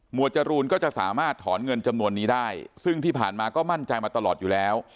จรูนก็จะสามารถถอนเงินจำนวนนี้ได้ซึ่งที่ผ่านมาก็มั่นใจมาตลอดอยู่แล้ว